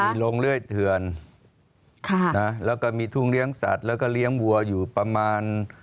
มีโรงเลื่อยเถื่อนค่ะนะแล้วก็มีทุ่งเลี้ยงสัตว์แล้วก็เลี้ยงวัวอยู่ประมาณ